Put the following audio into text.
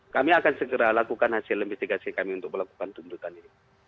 kami akan segera lakukan hasil investigasi kami untuk melakukan tuntutan ini